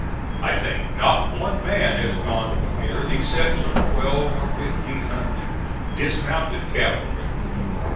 I think not one man has gone from here, except some twelve or fifteen hundred dismounted cavalry.